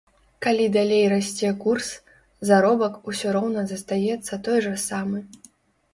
Калі далей расце курс, заробак усё роўна застаецца той жа самы.